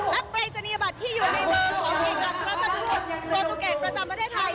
และปรายศนียบัตรที่อยู่ในมือของเอกอักราชทูตโปรตูเกตประจำประเทศไทย